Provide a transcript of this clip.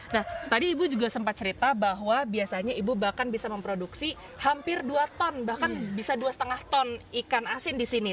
nah tadi ibu juga sempat cerita bahwa biasanya ibu bahkan bisa memproduksi hampir dua ton bahkan bisa dua lima ton ikan asin di sini